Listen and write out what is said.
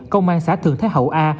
công an xã thường thái hậu a